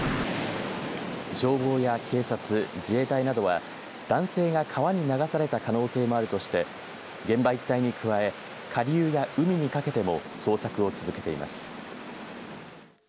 消防や警察、自衛隊などは男性が川に流された可能性もあるとして現場一帯に加え下流や海にかけても捜索を続けています。